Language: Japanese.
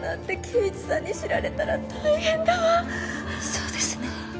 そうですね。